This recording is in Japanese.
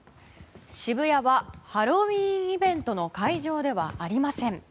渋谷はハロウィーンイベントの会場ではありません。